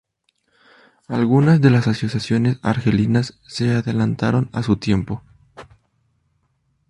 Algunas de las asociaciones Argelinas se adelantaron a su tiempo.